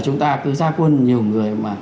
chúng ta cứ ra quân nhiều người